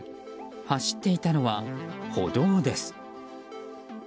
走っていたのは歩道です。